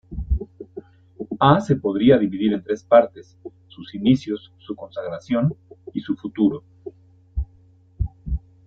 A se podría dividir en tres partes, sus inicios, su consagración y su futuro.